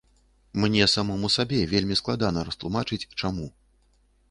Мне самому сабе вельмі складана растлумачыць чаму.